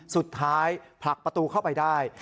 สุดท้ายพลักประตูเข้าไปได้